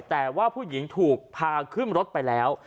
แต่ว่าผู้หญิงถูกพาขึ้นรถไปแล้ว